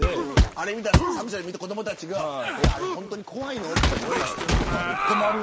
あれを見た子どもたちが本当に怖いのとなったらそれは困る。